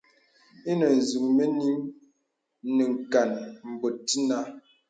Inə nzūk mə nīŋ nə kān bòt dīnə.